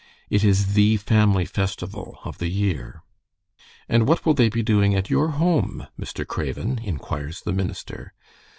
It is the family festival of the year. "'And what will they be doing at your home, Mr. Craven?' inquires the minister.